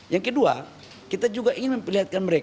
yang kedua kita juga ingin memperlihatkan mereka